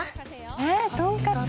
「えっとんかつ？」